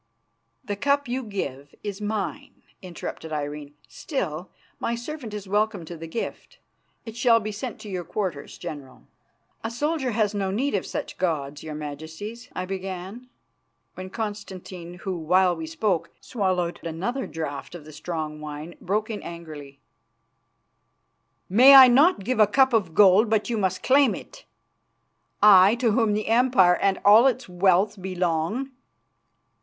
"The cup you give is mine," interrupted Irene; "still, my servant is welcome to the gift. It shall be sent to your quarters, General." "A soldier has no need of such gauds, your Majesties," I began, when Constantine, who, while we spoke, had swallowed another draught of the strong wine, broke in angrily: "May I not give a cup of gold but you must claim it, I to whom the Empire and all its wealth belong?"